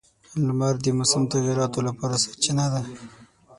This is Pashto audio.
• لمر د موسم تغیراتو لپاره سرچینه ده.